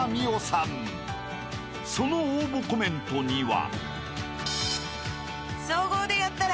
［その応募コメントには］